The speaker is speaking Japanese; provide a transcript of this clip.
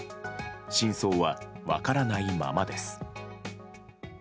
真相は分からないままです。